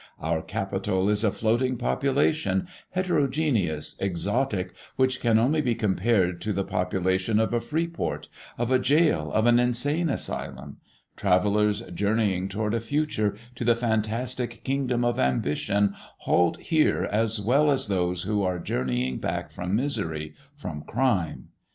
Our capital is a floating population, heterogeneous, exotic, which can only be compared to the population of a free port, of a jail, of an insane asylum. Travellers journeying toward a future, to the fantastic kingdom of ambition, halt here as well as those who are journeying back from misery, from crime.